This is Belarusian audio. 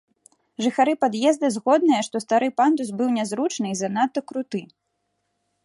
Жыхары пад'езда згодныя, што стары пандус быў нязручны і занадта круты.